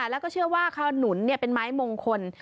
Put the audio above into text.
แล้วก็เชื่อว่าขนุนเป็นไม้มงคล